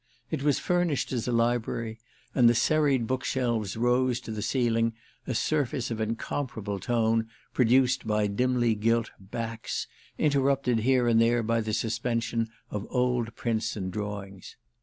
It was furnished as a library, and the serried bookshelves rose to the ceiling, a surface of incomparable tone produced by dimly gilt "backs" interrupted here and there by the suspension of old prints and drawings.